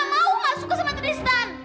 kamu gak mau gak suka sama tristan